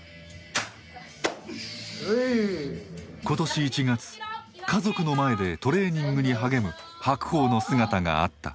今年１月家族の前でトレーニングに励む白鵬の姿があった。